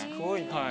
はい。